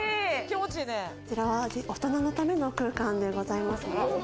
こちらは大人のための空間でございます。